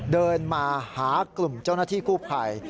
เดินมาหากลุ่มเจ้าหน้าที่กู้ภัย